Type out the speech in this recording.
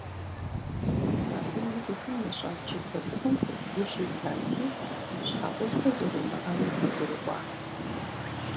Абы и бгым ищӀа чысэ цӀыкӀум гу лъитати, щхьэгъусэ зэримыӀэри къыгурыӀуат.